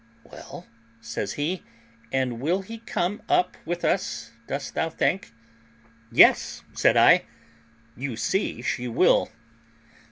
"Well," says he, "and will he come up with us, dost thou think?" "Yes," said I, "you see she will."